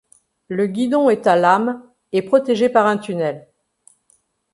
Le guidon est à lame et protégé par un tunnel.